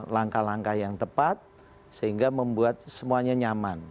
langkah langkah yang tepat sehingga membuat semuanya nyaman